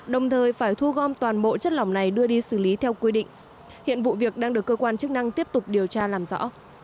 đồng thời phải thu gom toàn bộ chất lỏng này đưa đi xử lý theo quy định hiện vụ việc đang được cơ quan chức năng tiếp tục điều tra làm rõ